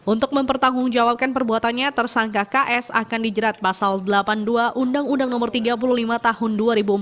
untuk mempertanggungjawabkan perbuatannya tersangka ks akan dijerat pasal delapan puluh dua undang undang no tiga puluh lima tahun dua ribu empat belas